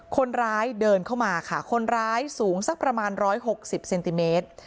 คนร้ายเดินเข้ามาค่ะคนร้ายสูงสักประมาณ๑๖๐เซนติเมตร